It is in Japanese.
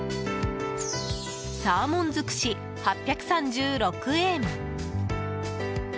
サーモンづくし、８３６円。